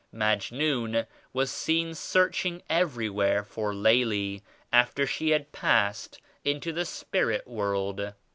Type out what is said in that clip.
Majnun was seen searching everywhere for Laila after she had passed into the Spirit world.